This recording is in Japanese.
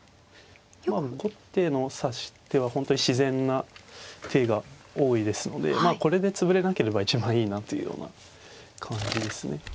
後手の指し手は本当に自然な手が多いですのでこれで潰れなければ一番いいなというような感じですね。